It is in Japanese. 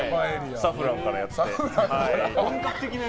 サフランからやって。